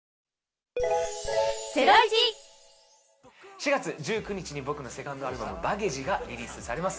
４月１９日に僕のセカンドアルバム『ＢＡＧＧＡＧＥ』がリリースされます。